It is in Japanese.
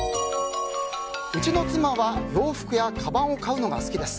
うちの妻や洋服やかばんを買うのが好きです。